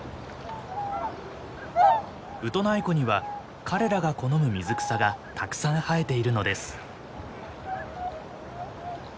ウトナイ湖には彼らが好む水草がたくさん生えているのです。